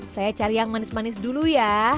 saya cari yang manis manis dulu ya